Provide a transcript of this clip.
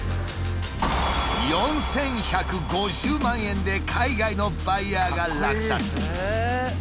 ４，１５０万円で海外のバイヤーが落札。